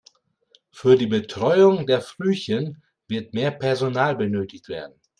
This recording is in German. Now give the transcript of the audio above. Für die Betreuung der Frühchen wird mehr Personal benötigt werden.